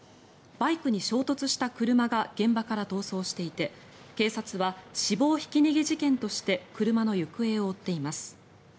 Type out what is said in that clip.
バイクに衝突した車が現場から逃走していて警察は死亡ひき逃げ事件として車の行方を追っています。